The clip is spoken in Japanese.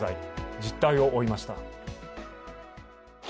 実態を追いました。